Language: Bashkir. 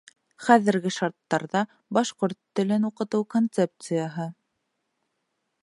Хәҙерге шарттарҙа башҡорт телен уҡытыу концепцияһы